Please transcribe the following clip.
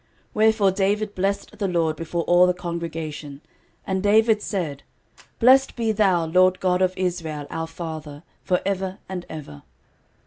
13:029:010 Wherefore David blessed the LORD before all the congregation: and David said, Blessed be thou, LORD God of Israel our father, for ever and ever.